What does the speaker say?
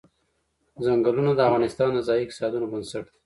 چنګلونه د افغانستان د ځایي اقتصادونو بنسټ دی.